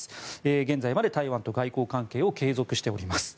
現在まで台湾と外交関係を継続しております。